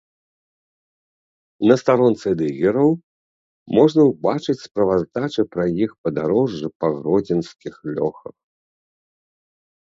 На старонцы дыгераў можна ўбачыць справаздачы пра іх падарожжы па гродзенскіх лёхах.